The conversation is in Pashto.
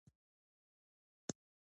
د تبه بدلون ولیکئ.